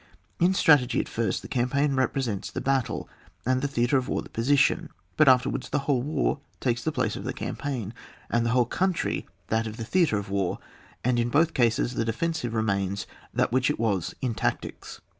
In strategy, at £rst, the campaign represents the battle, and the theatre of war the position ; but afterwards the whole war takes the place of the campaign, and the whole coimtry that of the theatre of war, and in both cases the defensive remains that which it was in tactics.